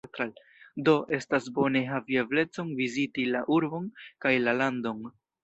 Do, estas bone havi eblecon viziti la urbon kaj la landon.